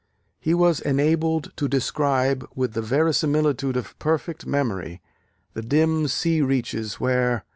he was enabled to describe, with the verisimilitude of perfect memory, the dim sea reaches where